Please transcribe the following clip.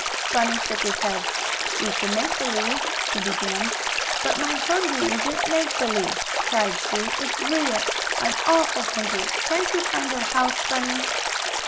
Bunny shook his head. "We can make believe," he began. "But my hungry isn't make believe!" cried Sue. "It's real I'm awful hungry. Can't you find our house, Bunny?"